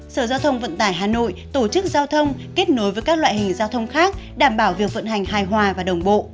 sở giao thông vận tải hà nội tổ chức giao thông kết nối với các loại hình giao thông khác đảm bảo việc vận hành hài hòa và đồng bộ